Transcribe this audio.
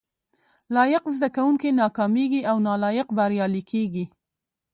لایق زده کوونکي ناکامیږي او نالایق بریالي کیږي